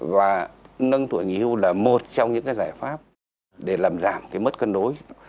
và nâng tuổi nghỉ hưu là một trong những cái giải pháp để làm giảm cái mất cân đối